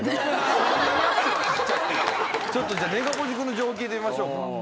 ちょっとネガポジくんの情報聞いてみましょうか。